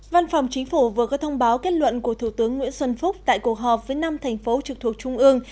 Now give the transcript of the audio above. văn phòng chính phủ vừa có thông báo kết luận của thủ tướng nguyễn xuân phúc tại cuộc họp với năm thành phố trực thuộc trung ương